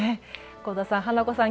香田さん花子さん